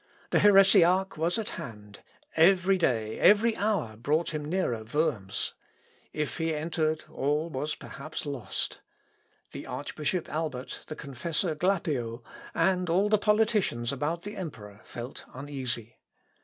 The heresiarch was at hand every day, every hour brought him nearer Worms. If he entered, all was perhaps lost. The Archbishop Albert, the confessor Glapio, and all the politicians about the emperor, felt uneasy.